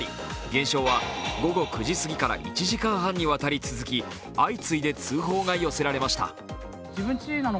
現象は午後９時過ぎから１時間半にわたり続き相次いで通報が寄せられました。